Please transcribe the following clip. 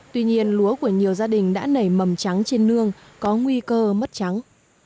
tuy nhiên lúa của nhiều gia đình đã nảy mầm trắng trên nương có nguy cơ mất trắng